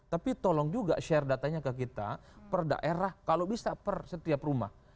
tapi tolong juga share datanya ke kita per daerah kalau bisa per setiap rumah